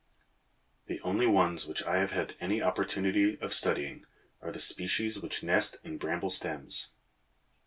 The only ones which I have had any opportunity of studying are the species which nest in bramble stems.